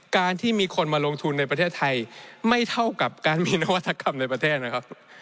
การที่มีคนมาลงทุนในประเทศไทยไม่เท่ากับการมีนวัตกรรมในประเทศนะครับ